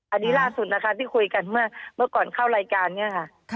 อันนี้ล่าสุดนะคะที่คุยกันเมื่อก่อนเข้ารายการเนี่ยค่ะ